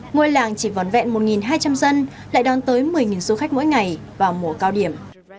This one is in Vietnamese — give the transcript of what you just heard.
ngôi làng chỉ vòn vẹn một hai trăm linh dân lại đón tới một mươi du khách mỗi ngày vào mùa cao điểm